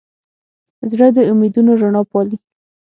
زړه د امیدونو رڼا پالي.